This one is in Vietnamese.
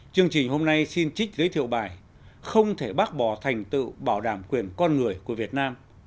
chương trình hôm nay xin trích giới thiệu bài không thể bác bỏ thành tựu bảo đảm quyền con người của việt nam